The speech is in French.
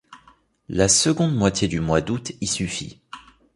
La seconde moitié du mois d'août y suffit.